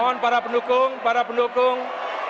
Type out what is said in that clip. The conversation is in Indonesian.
mohon para pendukung para pendukung